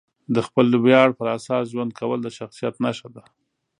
د خپلې ویاړ پر اساس ژوند کول د شخصیت نښه ده.